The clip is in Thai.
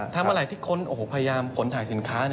ถามมาหลายที่คนพยายามขนถ่ายสินค้า